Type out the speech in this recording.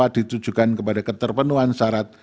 yang tepat ditujukan kepada keterpenuhan syarat